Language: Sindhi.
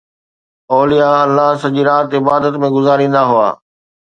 اولياء الله سڄي رات عبادت ۾ گذاريندا هئا.